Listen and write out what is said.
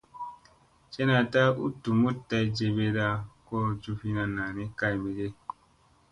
Ca naɗta u ɗumuɗ day jeɓeeɗa ko jufina nani kay mege ?